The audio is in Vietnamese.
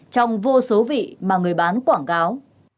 trong vô số vị mà người bán quảng cáo